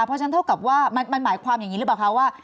เพราะฉะนั้นเท่ากับว่ามันหมายความอย่างนี้หรือเปล่าคะว่า